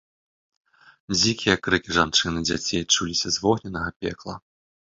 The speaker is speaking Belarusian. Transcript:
Дзікія крыкі жанчын і дзяцей чуліся з вогненнага пекла.